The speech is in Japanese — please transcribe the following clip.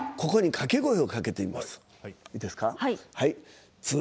ここに掛け声をかけていきます。